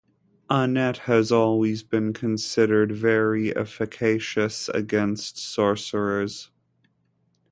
A net has always been considered very efficacious against sorcerers.